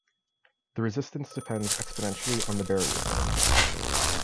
The resistance depends exponentially on the barrier thickness.